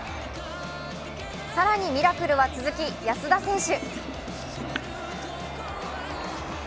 更にミラクルは続き、安田選手。